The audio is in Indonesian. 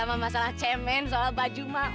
sama masalah cemen soal baju mah